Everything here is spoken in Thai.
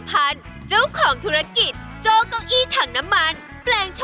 แม่บ้านทารวย